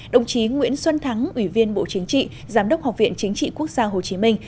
đồng chí nguyễn xuân thắng ủy viên bộ chính trị giám đốc học viện chính trị quốc gia hồ chí minh